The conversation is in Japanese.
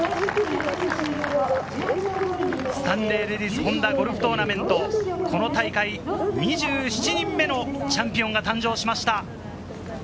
スタンレーレディスホンダゴルフトーナメント、この大会、２７人目のチャンピオンが誕生しました。